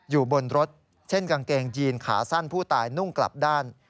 อยู่บนรถเช่นกางเกงยีนขาสั้นผู้ตายนุ่งกลับด้าน